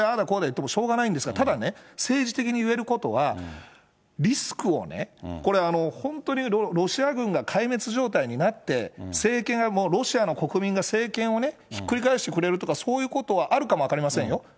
こうだ言ってもしょうがないんですが、ただね、政治的に言えることは、リスクをね、これ、本当にロシア軍が壊滅状態になって、政権がもう、ロシアの国民が政権をね、ひっくり返してくれるとか、そういうことはあるかも分かりませんよ。